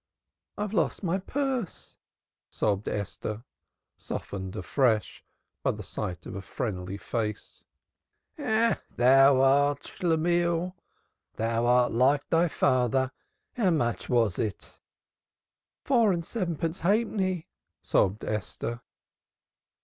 "I've lost my purse," sobbed Esther, softened afresh by the sight of a friendly face. "Ah, thou Schlemihl! Thou art like thy father. How much was in it?" "Four and sevenpence halfpenny!" sobbed Esther.